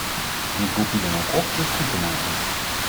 En ik roep u dan ook op dit goed te maken.